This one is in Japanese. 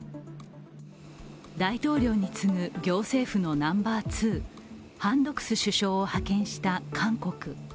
大統領に次ぐ行政府のナンバー２、ハン・ドクス首相を派遣した韓国。